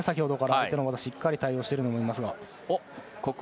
相手にしっかり対応していると思います。